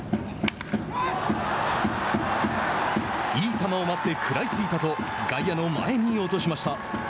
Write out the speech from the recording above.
いい球を待って、食らいついたと外野の前に落としました。